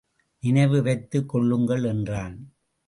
நினைவு வைத்துக் கொள்ளுங்கள் என்றான்.